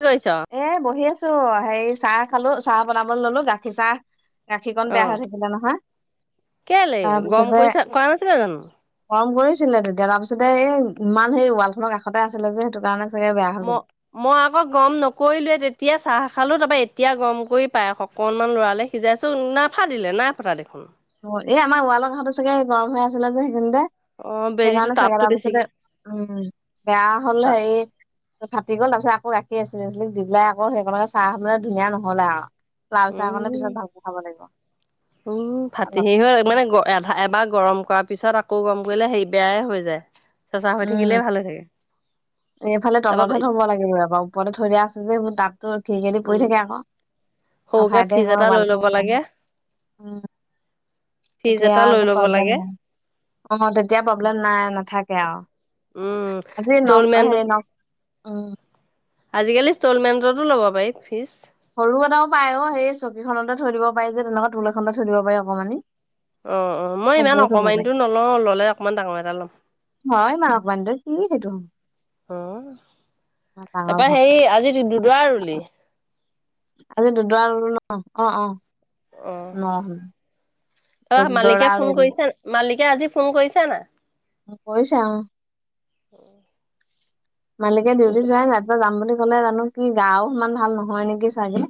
কি কৰিছ? এ বহি আছোঁ হে চাহ খালো চাহ বনাবলৈ ললো গাখীৰ চাহ গাখীৰ কণ বেয়া হৈ অ', থাকিলে নহয়। কেলে গম তাৰপিছতে কৰিছা কৰা নাছিলা জানো? গৰম কৰিছিলে তেতিয়া তাৰপিছতে এই ইমান সেই ৱাল খক কাতে আছিলে যে সেইটো কাৰণে চাগে বেয়া হৈ ম গ'ল মই আকৌ গৰম ন কৰিলোৱে তেতিয়া চাহ খালো তাৰপৰা এতিয়া গৰম কৰি পায়খ অকনমান লৰালে সিজাইছো নাফাটিলে নাই ফাটা দেখোন। অ, এই আমাৰ ৱালং হতো চাগে গৰম হৈ আছিলে যে সেইখিনিতে অ বেলিটো সেইকাৰণে চাগে তাপটো তাৰপিছতে বেছিকে উম, বেয়া হ'ল তা হেৰি ফাটি গল তাৰপিছত আকৌ গাখীৰ আছিলে দি পেলাই আকৌ সেইবকে চাহে ধুনীয়া নহ'লে আৰু লাল চাহকনে পিছত উম ভালক খাব লাগিব। উম, ফাটি অলপ সি পিছত হৈ মানেধা এবাৰ গৰম কৰাৰ পিছত আকৌ গৰম কৰিলে হে বেয়াই হৈ যায়। চেচা হৈ উম থাকিলেই ভাল হৈ থাকে। এইফালে তাৰপা তলতহে থব লাগিব এবাৰ ওপৰতে থৈ দা আছে যেৰ তাত তোৰ কি খদি পৰি উম থাকে আকৌ। সৰুকে ফ্ৰিজ আঠাইতোল এটা লৈ ল'ব লাগে। উম, ফ্ৰিজ তেতিয়া এটা লৈ একো ল'ব লাগে প্ৰব্লেম নাই অ, তেতিয়া প্ৰব্লেম নাই নাথাকে আৰু। উম, আজি নখ সষ্টলমেণ। হেৰি নখ উম আজিকালি ইনষ্টলমেন্টতো ল'ব পাৰি ফিজ সৰু এটাও পায় অ, সেই চকীখনতে থৈ দিব পাৰি যে তেনেকুৱা তুল এখনতে থৈ দিব পাৰি অকমানি অ - অ মই ইমান সেইবোৰো থব পাৰি অকমানটো নলও ললে অকমান ডাঙৰ এটা লম। কিছে ত [unintelligible] তাৰপৰা সেই আজি দুদৰা ৰুলি আজি দুদলো ন অ - অ ন। আহ, দৰা মালিকে ফোন ৰুলো কৰিছে মালিকে আজি ফোন কৰিছে না। কৰিছে অ, অ', মালিকে ডিউটি চোৱাই নাই ৰাতিপুৱা যাম বুলি ক'লে জানো কি গাও ইমান ভাল নহয় নেকি চাগে।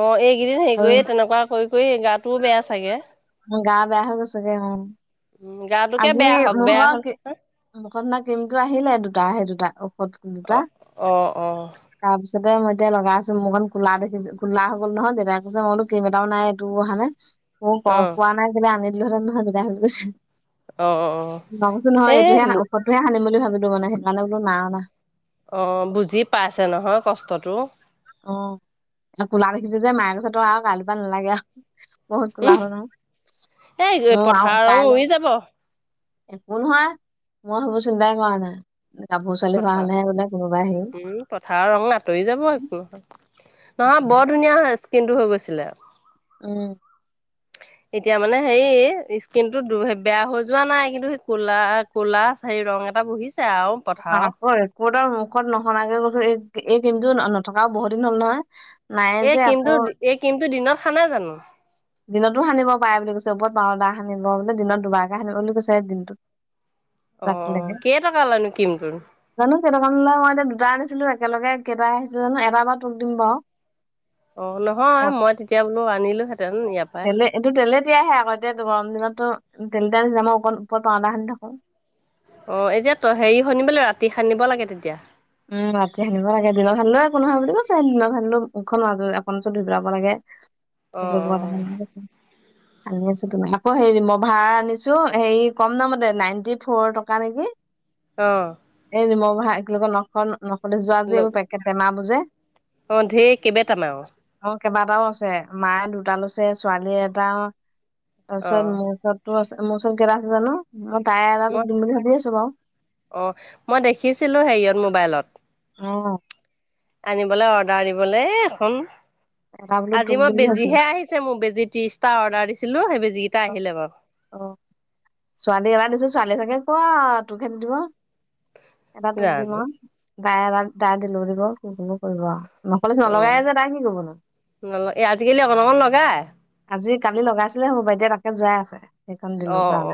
অ, এইকেইদিন হেৰি আৰু কৰিয়ে তেনেকুৱা কৰি - কৰি গাটোও বেয়া চাগে। গা বেয়া হৈ কছাগেই ম উম, গাটোকে আজি বেয়া হওক, বেয়া মোৱা হ'ল ঔষধ না কিমো আহিলে দুটা আহে দুটা ঔষধ দুটা অ', অ', অ', অ', তাৰপিছত পিছতে মই এয়া লগাইছো মোৰকণ কলা দেখিছো কলা হৈ গল নহয় দেতাই কৈছে মইতো কবাটাও নাই এইটো অহানে মোক ক পোৱা নাই ব আনিলো হেৰে নহয় দতি হ' গৈছে। অ', অ', ভাবছো এ নহয় এইটোহে ওপৰতটোহে সানিম বুলি ভাবিলো মানে সেইকাৰণে বোলো নাওনা অ, বুজি পাইছে নহয় কষ্টতটো। অ, কোলা দেখিছে যে মায়ে গছে তো আৰু কালিৰ পৰাা নালাগে আৰু বহুত কোলা উম, হ'ল ন এই ম পথাৰৰ ৰং কাইলৈ উৰি যাব একো নহয় মই হ'বচোন বোই কৰা নাই। কাপোৰ চোৱালি হোৱা পথাৰ হলেহে বোলে কোনোবাই আহেই উম পথাৰৰ ৰং আঁতৰি যাব একো নহয় নহয় বৰ ধুনীয়া হয় স্কিন টো হৈ গৈছিলে। উম, এতিয়া মানে হে স্কিন টো বেয়া হৈ যোৱা নাই কিন্তু সেই ক'লা কলা হ ৰং এটা বহিছ। আকৌ একো তাৰ মুখত নহনগে কো এই কমতটো নথকাও বহুত দিন হ'ল নহয়। নাই এই যে আকৌ কিন্তটো এই কিন্তটো দিনত খানা জানো দিনতো সানিব পাৰে বুলি কৈছে ওপৰত বাৰদা সানিব বোলে দিনত দুবাৰকে সানিব বুলি কৈছে দিনটোত [inaudible] অহ, ৰাতিলৈকে কেই টকা লানো কিমটোৰ। জানো মই এতিয়া দুটা আনিছিলো একেলগে কেইটাই আহিছিলে জানো এটাৰ বা তোক দিম বাৰু। অ, অ, নহয় মই তেতিয়া বোলো আনিলো হে তেলে এইটো তেলে তেতিয়াই আহে আকৌ এতিয়া গৰম দিনতো। তেল যামা অকণ ওপৰত পাওদাখিনি থাকো। অ, এতিয়া ত হেৰি শুনিবলৈ ৰাতি সানিব লাগে তেতিয়া। উম, ৰাতি সানধিব লাগে দিনৰ খানিলোও একো নহয় বুলি ক চ দিনৰ সানিলও মুখখন মকওৰত ধই পেলাব লাগে। অ সেইটো [unintelligible] আনি আছো, তোমাৰ আকৌ হেৰি ৰিমভাৰ আনিছো হেৰি কম দামতে নাইনটি ফ'ৰ টকা নেকি। আহ। এ ৰিমভাৰ এক লগত নখ নকলে যোৱা যে অ এইবোৰ অ পেকেট টেমাবোৰ যে। অ' ধেইৰ কেইবা টেমাও। অ' কেইবাটাও আছে, মাই দুটা লৈছে ছোৱালী এটা। তাৰপিছত মোৰ ওচৰতো আছে, মোৰ ওচৰত কেইটা আছে জানো। তাই এটা তোক মই দিম বুলি ভাবি আছো বাৰু অ' মই দেখিছিলো হেৰিয়ত মোবাইলত। অ'। আনিবলৈ অৰ্ডাৰ দিবলৈ এখন এটা বোলো তোক আজি মই দিম বুলি ভাবিছো বেজিহে আহিছে। মোৰ বেজিত ত্ৰিশটা অৰ্ডাৰ দিছিলো। সেই বেজী অ' অ' ছোৱালী এটা দিছো, ছোৱালী চাগে ু [unintelligible] ৱা তোকখে নি দিব এটা তোক দিম জানো আৰু গাই এ দাই দিল দব কো কৰিব আৰু [unintelligible] নকলে চি অ নলাই যে তাই সি কব ন [unintelligible] নল এ আজিকালি অকণ অকণ লগাই আজি কালি লগাইছিলে, মোৰ [unintelligible] বাইদে তাকে যোৱাই আছে। সেইখনণ দিলো। অ অ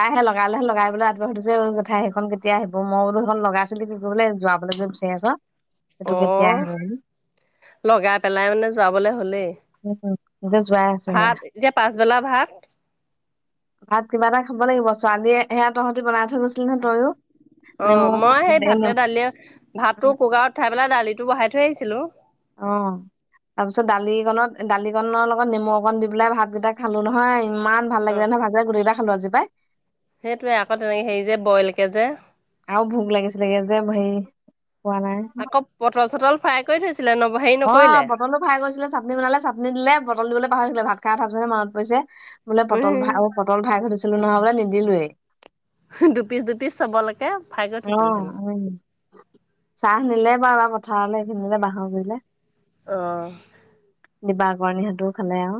তাইহে লগালেহে লগাই। বোলে আবঢাুি [unintelligible] যে অ জেঠাই সেইখন কেতিয়া আহিব। মই বোলো সেইখন লগাইছিলো, কি কৰিব বোলে যোৱ বোলে গৈ বিচাৰি আছ সেইটো অ কেতিয়া আহিব বুলি লগাই পেলাই মানে যোৱাবলে হলেই। এছোৱাা [unintelligible] য় আছেহে ভাত এতিয়া পাছবেলা ভাত ভাত কিবা এটা খাব লাগিব, ছোৱালীয়ে সেয়া তহঁতি বনাই থৈ গৈছিলি নহয় তইয়ো। অ মই সেই ভাতে দালিয়ে ভাতটো কুকাৰত উঠাই পেলাই দালিটো বহাই থৈ আহিছিলো। অ তাৰ পিছত দালিকনত দালিকনৰ লগত নেমু অকণ দি পেলাই ভাতকেইটা খালো নহয়। ইমান ভাল অ লাগিলে নহয় ভাত গুটেইকেইটা খালো আজি পাই। সেইটোৱে, আকৌ তেনেক হেৰি যে বইলকে যে। আৰু ভোক লাগিছিলেগে যে হেৰি খোৱা নাই আকৌ পটল - চটল ফ্ৰাই কৰি থৈছো। অ পটলো ফাৰাই কৰিছিলে। চাটনি বনালে চাটনি দিলে বটল দিবলৈ পাহৰি ভাত খাই উঠাৰ পিছতহে মনত পৰিছে বোলে পটল ফ্ৰাই উম পটল ফ্ৰাই কৰি থৈছিলো নহয় বোলে নিদিলোৱেই। দুপিচ দুপিচ চবলৈকে ফ্ৰাই কৈ অ', থৈছিল হেনো। উম। চাহ নিলে বাৰু বা পথাৰলৈ এইখিনিলে বাঁহৰ গলে। অহ। দিবা কৰণ [unintelligible] সিহঁতেও খালে আৰু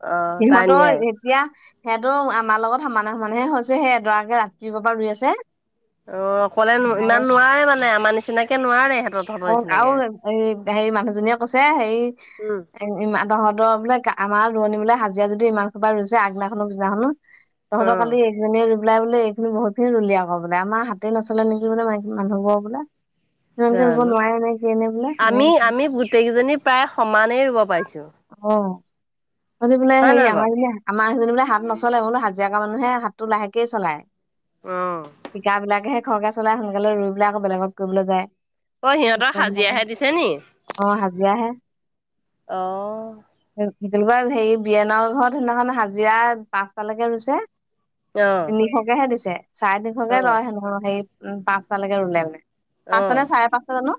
অ', তাই সিহঁতৰ নিয়াই এতিয়া সেইহতটো আমাৰ লগত সমানে সমানেহে হৈছে, সেই এডৰাকে ৰাতিপুৱাৰ পৰা ৰুই আছে। অ অকলে ইমান নোৱাৰে মানে আমাৰ নিচিনাকে নোৱাৰে। তহঁতৰ অ আৰু নিচিনাকে। এই হেৰি মানুহজনীয়ে কৈছে হেৰি উম। ইমান দহত বোলে আমাৰ ৰোৱনী বোলে হাজিৰা যদি ইমান সোপা ৰুইছে আগদিনা খনো পিছদিনা খনো। তহঁতৰ অ', কালি এজনীয়ে বওলাই বোলে এইখিনি বহুতখিনি ৰুলি আকৌ বোলে আমাৰ হাতে নচলে নেকি মাইকি মানুহবোৰ বোলে। ইমানকে ৰু জানো আমি আমি গোটেই কেইজনী প্ৰায় সমানেই ৰুব পাইছো। অ। আজি বোলে হেৰি আমাৰ বাৰু [unintelligible] সেইজনী বোলে হাত নচললে বোলে, হাজিৰা কৰা মানুহে হাতটো লাহেকেই চলায়। অ', শিকা বিলাকেহে খৰকে চলাই সোনকালে ৰুই পেলাই আকৌ বেলেগত কৰিবলৈ যায়। ঐ সিহঁতক হাজিৰা বিলাকে হাজিৰাহে দিছে নি। অ হাজিৰাহে অ কেনেকুৱা হেৰি বিয়েনৰ ঘৰত সিদিনাখন হাজিৰা পাঁচটালৈকে ৰুইছে। অ', তিনিশকেহে দিছে, চাৰে তিনিশকে অ', লয় হেনো সেই উম পাঁচটালৈকে ৰুলে মানে। পাঁচটা অ', নে চাৰে পাঁচটা জানো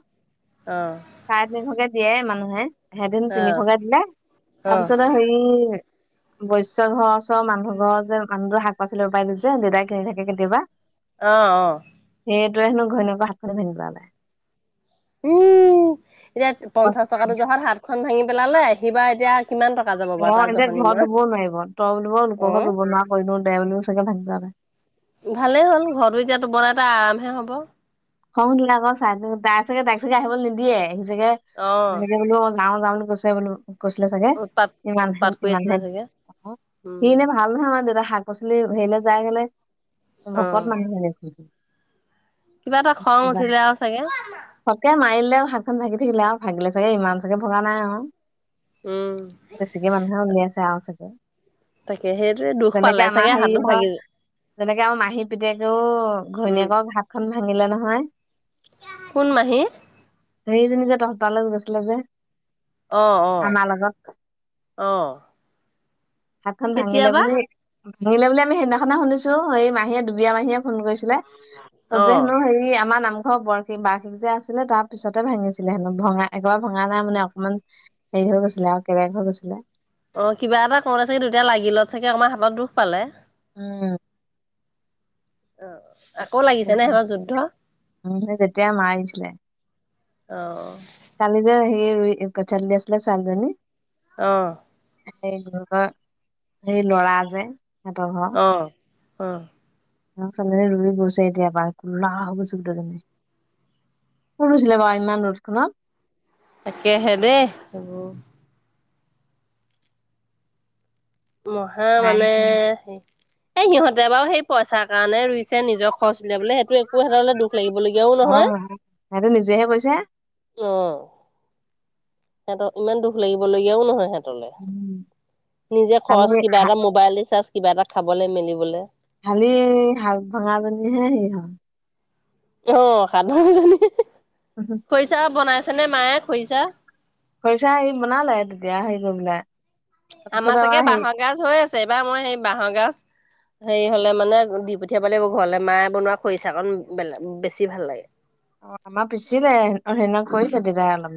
অ', চাৰে তিনিশকে দিয়ে মানুহে। সেদিন অ', তিনিশকে দিলে, অ', তাৰপিছত হেৰি বৈস্য ঘৰ ওচৰ মানুহ ঘৰ যে মানুহটোৰ শাক পাচলি ৰোপাই টো যে দেউতাই কিনি থাকে কেতিয়াবা। অহ', অহ'। সেইটোৱেন ঘৈণীয়েকৰ হাতখননে ভিন্ধি [unintelligible] উম, এতিয়া কৈছে পঞ্চাশ টকাটো জহাত হাত খন ভাঙি পেলালে। সিবা এতিয়া কিমান টকা যাব বাৰু অ, তাৰ এতিয়া জহনি মৰা ঘৰত ৰুবও নোৱাৰিব। তই বুলিব লোকৰ ঘৰত অ'। ৰুব নোৱাৰা কৰিনো দে বুলি চাগে ভাবাই ভালেই হ'ল ঘৰটো এতিয়াতো বনাই ত' আৰামহে হব। খং উঠিলে আকৌ চাই তাই চাগে তাই চাগে আহিবলৈ নিদিয়ে সি চাগে মানে অ' বোলো নাও যাও বুলি কৈছে বোলো। কৈছিলে চাগে উৎপাত ইমান হেন উৎপাত কৰি ইমান আছিলে হেন চাগে সি উম এনে ভাল নহয় আমাৰ দেউতা হাক শাক পাচলি হেৰিলে যাই গলে ভকত অ' মানি লাগিছিল। কিবা এটা খং কিবা উঠিলে আৰু চাগে থাকে মাৰিলেও হাত খন ভাগি থাকিলে আৰু ভাগিলে চাগে ইমান চাগে ভগা নাই আৰু। উম বেছিকে মানুহে উলিয়াইছে আৰু চাগে। তাকে সেইটোৱে দুখ যেনেকে পালে আমাৰ চাগে হাতটো হেৰিহঁতৰ ভাগিল। যেনেকে আৰু মাহী পিতেকেও উম ঘৈণীয়েকক হাতখন ভাঙিলে নহয় কোন মাহী? সেইজনীযে তহতালৈ গৈছিলে যে। অ', - অ', আমাৰ লগত - অ', হাতখন ভাঙিলে কেতিয়াবা বুলি ভাঙিলে বুলি আমি সেইদিনাখনে শুনিছো এই মাহীয়ে দুবিয়ে মাহীয়ে ফোন কৰিছিলে তত যে অ' হেনো হেৰি আমাৰ নামঘৰ বৰ্ষী বাৰ্ষিক যে আছিলে তাৰ পিছতে ভাঙিছিলে হেনো ভঙা এঘৰো ভঙা নাই মানে অকণমান হেৰি হৈ গৈছিলে আৰু একবাৰে হৈ গৈছিলে। অ, কিবা এটা কৰো চাগে দুইটা লাগিলে চাগে আমাৰ হাতত দুখ পালে। উম, অ' আকৌ লাগিছে নে সিহঁতৰ যুদ্ধ উ, তেতিয়া মাৰিছিলে। অ', কালি যে সে কচুৰ ক আছিলে ছোৱালীজনী। অ', স-ঘৰ সেই লৰা যে সিহতৰ ঘৰ অ' অ', [unintelligible] এটিয়াবাই কলা হৈ গৈছে গোটেইজনী। ক'ত গৈছলা বাৰু ইমান ৰ'দখনত? তাকেহে দেই, হ'ব। মহে মানে চাই চাই হে এ, সিহঁতে বাৰু সেই পইচাৰ কাৰণে ৰুইছে নিজৰ খৰচ উলিয়াবলৈ সেইটো কৰি থকা হ'লে দুখ লাগিবলগীয়াও নহয়। অ সেইটো নিজেহে কৈছে অহ' সিহঁতক ইমান দুখ লাগিব লগীয়াও নহয় সেহেঁত উম, নিজে খালি খৰচ কিবা এটা, মোবাইল ৰিচাৰ্জ কিবা এটা, খাবলে মেলিবলে। খালি হাত ভাঙাজনী হে সেই হ'ল। অহ' হাত ভঙাজনী। খৰিচা বনাইছেনে মায়ে খৰিচা? খৰিচা এই বনালে, তেতিয়া হেই গৈ পেলাই। তাৰপিছত আমাৰ চাগে হেৰি বাঁহৰ গাজ হৈ আছে এইবাৰ মই সেই বাঁহৰ গাজ হেৰি হলে মানে দি পঠিয়াবলৈ লাগিব ঘৰলে মায়ে বনোৱা খৰিচা কণ বেলে-বেছি ভাল লাগে। অহ' আমাৰ পিছিলে, সেইদিনা কৰিছে দেউতাই অলপ।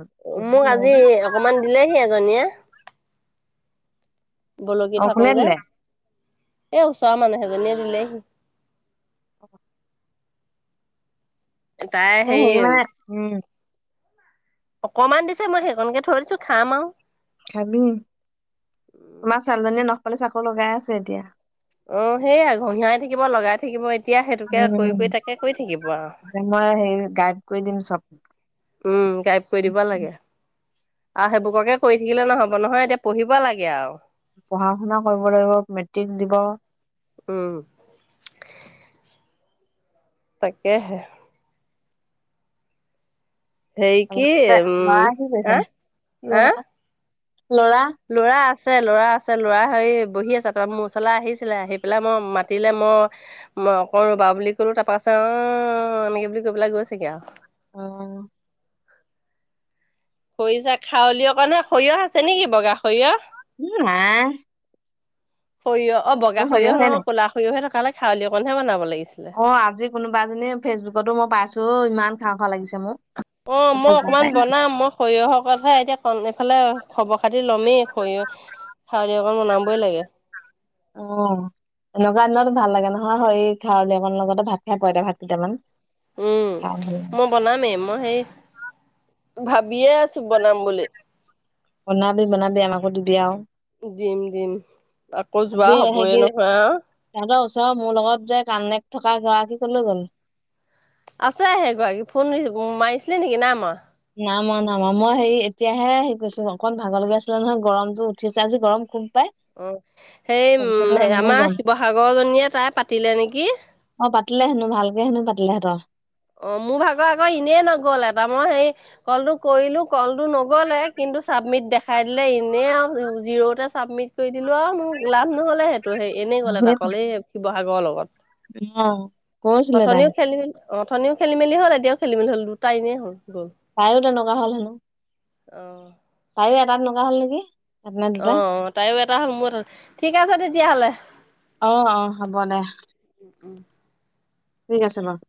মোক আজি অকমান দিলে সেই এজনীয়ে। বলকি অ থাকো কোনে যে। দিলে এ, ওচৰৰ মানুহ এজনীয়ে দিলেহি। অ'। তাই এ হেৰি মানে উম অকমান দিছে, মই সেইকনকে থৈ দিছো খাম আৰু। খাবি, তোমাৰ ছোৱালীজনীয়ে নখ পালিচ আকৌ লগাই আছে এতিয়া। অহ' সেইয়াই ঘঁহিয়াই থাকিব লগাই থাকিব এত এতিয়া সেইটোকে, কৰি কৰি উম, তাকে কৰি থাকিব আৰু। মই হেৰি গাইড কৰি দিম চব। উম, গাইব কৰি দিব লাগে আৰু সেইবুককে কৰি থাকিলে নহব নহয়, এতিয়া পঢ়িব লাগে আৰু। পঢ়া শুনা কৰিব লাগিব, মেট্ৰিক দিব। উম তাকেহে সেই কি ল'ৰা উম কি কৰিছে? এ হা ল'ৰা [inaudible] লৰা আছে লৰা আছে লৰা হেৰি বহি আছে ত মোৰ ওচৰলে আহিছিলে আহি পেলাই ম মাতিলে ম মই অকণ ৰবা বুলি কলো তাৰপাছে অ এনেকে বুলি কৈ পেলাই গৈছেগে আৰু অ খৰিচা খাৱলী অকণ হয় সৰিয়হ আছে নেকি বগা সৰিয়হ উ নাই সৰিয়হ বগা মোৰ সহ্য হোৱাই নাই। সৰিয়হয় ক'লা সৰিয়হে থকা খাৰলি অকণহে বনাব লাগিছ অ আজি কোনোবা এজনীয়ে ফেচবুকতো মই পাইছো অ ইমান খাও খাও লাগিছে মো অ মই অকনমান বনাম মই সৰিয়হৰ কথাে এতিয়া ক ফালে খবৰ খাতি লমেই খৰিয়হ খাৱলী অকণ বনাবই লাগে অ এনেকুৱা দিনত ভাল লাগে নহয় হেই খাৰ লী অকন লগতে ভাত খাই পইটা ভাত কেইটামান উম খাই ভাল লাগে। মই বনামেই মই হেই ভাবিয়ে আছো বনাম বুলি বনাও যদি বনাবি আমাকো দিবি আৰু দিম দিম আকৌ যোৱা আজি হে হবয়ে নহয় আও তেহেত ওচৰ মোৰ লগত যে কান্নে থকা গৰাকী ক লৈ গ'ল আছে হেগৰাকী ফোন মাৰিছিলে নেকি নাই মৱা নাম মা নাম মই হেৰি এতিয়াহে সেই কৰিৈছো অকণ ভাগৰ লগীয়া আছিলে নহয় গৰমতটো উঠি আছে আজি গৰম খুম অ, সেই উম মানে আমাৰ গম শিৱসাগৰ জনীয়ে তাই পাতিলে নেকি। অ পাতিলে হেনো ভালকে হেনু পাতিলে হেতে। অ, মোৰ ভাগৰ আকৌ এনেই নগল এটা মই হেই সেই কলটো কৰিলো কলটো ন গ'লে কিন্তু চাবমিট দেখাই দিলে এনেই আৰু জিৰ'তে ছাবমিট কৰি দিলোঁ আৰু মোৰ লাভ নহ'লে সেইটো। তো সেই এনেই গ'লে এতা কল এই শিৱসাগৰৰ লগত। অ, কৈছিলে তাই। অঁঠনিও খেলি মেলি হ'ল এতিয়াও খেল মেলি হ'ল দুটা এনেই হ'ল। গ'ল তাইও তেনেকুৱা হল হেনো, অ তাইও এটা তেনেকুৱা হল নেকি। এটা নে দুটা। অ' তাইৰও এটা হ'ল মোৰো এটা ঠিক আছে তেতিয়াহ'লে। অ অ হ'ব দে। উম। ঠিক আছে বাৰু।